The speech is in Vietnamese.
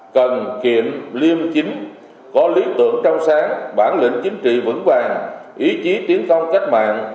cần kiệm liêm chính có lý tưởng trong sáng bản lĩnh chính trị vững vàng ý chí tiến công cách mạng